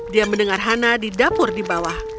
dia mendengar hana di dapur di bawah